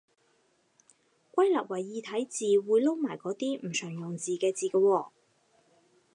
歸納為異體字，會撈埋嗰啲唔常用字嘅字嘅喎